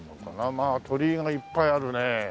まあ鳥居がいっぱいあるね。